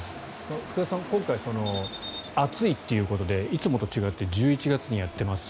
福田さん、今回暑いということでいつもと違って１１月にやってます。